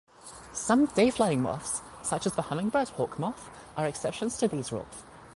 Some day-flying moths, such as the hummingbird hawk-moth, are exceptions to these rules.